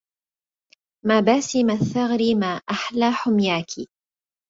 مَبَاسِمَ الثَغرِ ما أحلى حُمياكِ